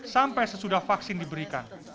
sampai sesudah vaksin diberikan